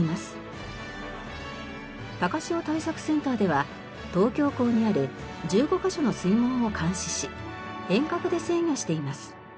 高潮対策センターでは東京港にある１５カ所の水門を監視し遠隔で制御しています。